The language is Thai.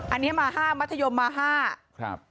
อันนี้มาห้ามัธยมมาห้าครับ